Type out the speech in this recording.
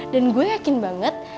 dan gue yakin banget